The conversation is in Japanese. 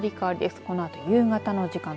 このあと夕方の時間帯。